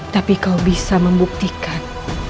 tapi kau bisa membuktikan